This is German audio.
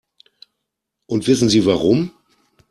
Und wissen Sie warum?